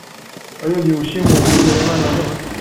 آیا بیهوشی موضعی برای من لازم است؟